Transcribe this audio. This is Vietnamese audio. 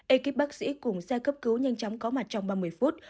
ekip bác sĩ cùng xe cấp cứu nhanh chóng có mặt trong ba mươi phút